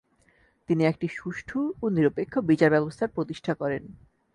তিনি একটি সুষ্ঠু ও নিরপেক্ষ বিচার ব্যবস্থা প্রতিষ্ঠা করেন।